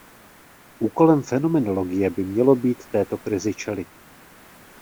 Úkolem fenomenologie by mělo být této krizi čelit.